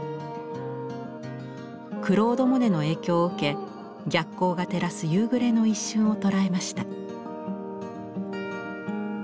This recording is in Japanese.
クロード・モネの影響を受け逆光が照らす夕暮れの一瞬を捉えました。